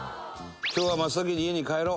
「今日は真っ先に家に帰ろう。」